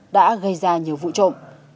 đã gây ra nhiều vụ trộm